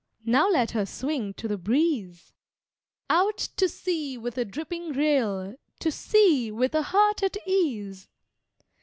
Now let her swing to the breeze. Out to sea with a dripping rail, To sea, with a heart at ease!